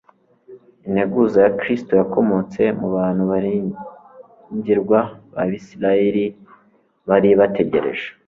Integuza ya Kristo yakomotse mu bantu biringirwa b'abisiraeli bari bategereje